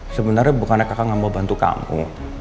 sebenarnya bukannya kakak gak mau bantu kamu